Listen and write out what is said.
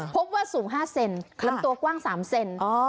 พบว่าสูง๕เซนลำตัวกว้าง๓เซน